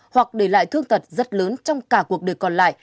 hoặc để lại thương tật rất lớn trong cả cuộc đời còn lại